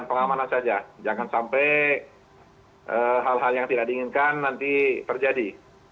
kita meningkatkan patroli dan pengamanan saja jangan sampai hal hal yang tidak diinginkan nanti terjadi